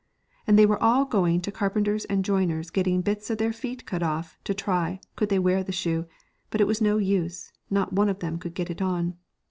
And they were all going to car penters and joiners getting bits of their feet cut off to try could they wear the shoe, but it was no use, not one of them could get it on.